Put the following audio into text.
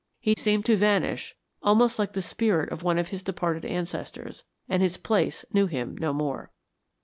He seemed to vanish almost like the spirit of one of his departed ancestors, and his place knew him no more.